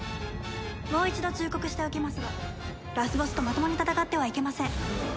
もう一度忠告しておきますがラスボスとまともに戦ってはいけません。